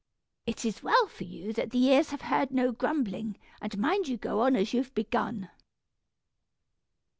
"It is well for you that the ears have heard no grumbling. And mind you go on as you've begun."